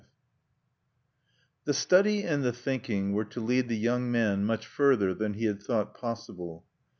V The study and the thinking were to lead the young man much further than he had thought possible.